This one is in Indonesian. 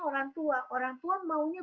orang tua orang tua maunya